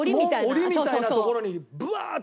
檻みたいなところにブワーッて。